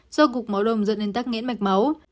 do cục máu đông dẫn đến tắc nghẽn mạch máu